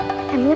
emel kenapa jeng